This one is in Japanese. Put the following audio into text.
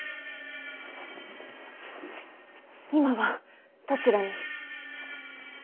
今はどちらに。